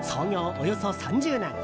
およそ３０年。